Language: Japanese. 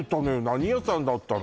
何屋さんだったの？